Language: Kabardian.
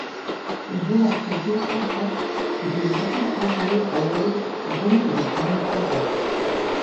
Жьыр апхуэдизкӏэ лъэщщ, ди нэкӏум хуэзэуи къоуэри гум дыридзыным хуэдэщ.